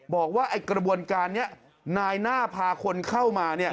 บอกว่ากระบวนการนี้นายหน้าพาคนเข้ามา